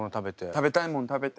食べたいもん食べて。